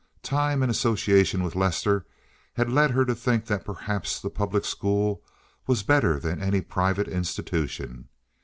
Time and association with Lester had led her to think that perhaps the public school was better than any private institution.